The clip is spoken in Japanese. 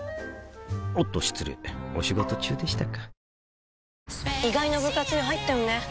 おっと失礼お仕事中でしたか